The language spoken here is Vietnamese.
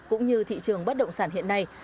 cũng như thị trường bất động sản hiện nay